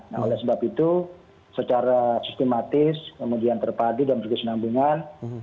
nah oleh sebab itu secara sistematis kemudian terpadu dan berkesenambungan